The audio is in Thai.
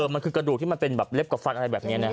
มันคือกระดูกที่มันเป็นแบบเล็บกับฟันอะไรแบบนี้นะ